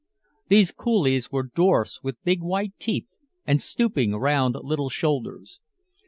These Coolies were dwarfs with big white teeth and stooping, round little shoulders.